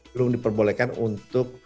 belum diperbolehkan untuk